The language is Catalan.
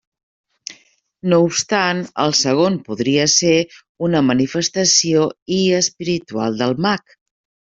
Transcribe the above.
No obstant el segon podria ser una manifestació i espiritual del mag.